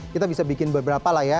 kita bisa bikin beberapa lah ya